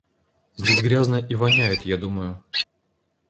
Здесь грязно и воняет, я думаю.